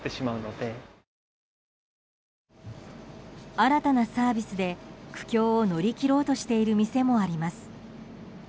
新たなサービスで苦境を乗り切ろうとしている店もあります。